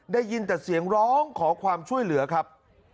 ได้ยินแต่เสียงร้องขอความช่วยเหลือครับ